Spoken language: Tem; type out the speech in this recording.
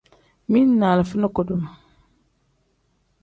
Mili ni alifa ni kudum.